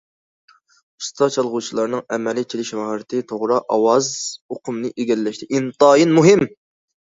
ئۇستا چالغۇچىلارنىڭ ئەمەلىي چېلىش ماھارىتى توغرا ئاۋاز ئۇقۇمىنى ئىگىلەشتە ئىنتايىن مۇھىم.